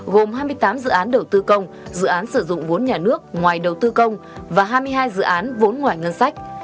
gồm hai mươi tám dự án đầu tư công dự án sử dụng vốn nhà nước ngoài đầu tư công và hai mươi hai dự án vốn ngoài ngân sách